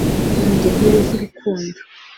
nkunda inkuru zurukundo